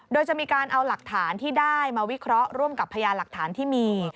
โดยจะมีการเอาหลักฐานที่ได้มาวิเคราะห์ร่วมกับพยานหลักฐานที่มี